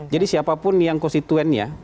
jadi siapapun yang konstituennya